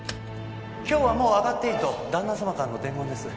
今日はもう上がっていいと旦那様からの伝言です。